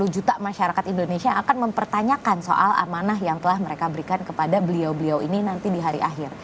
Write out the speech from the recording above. dua puluh juta masyarakat indonesia akan mempertanyakan soal amanah yang telah mereka berikan kepada beliau beliau ini nanti di hari akhir